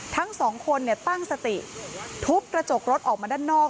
ทั้งสองคนเนี่ยตั้งสติทุบกระจกรถออกมาด้านนอก